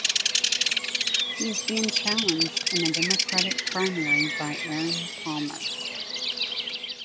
He is being challenged in the Democratic primary by Erin Palmer.